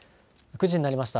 ９時になりました。